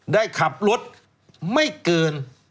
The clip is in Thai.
ได้ขับรถไม่เกิน